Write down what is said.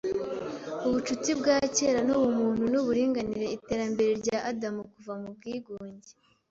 ’ubucuti bwa kera n’ubumuntu nuburinganire Iterambere rya Adamu kuva mu bwigunge